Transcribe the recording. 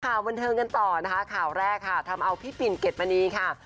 ข่าวบันเทิงกันต่อนะคะข่าวแรกค่ะทำเอาพี่ปิ่นเกดมณีค่ะ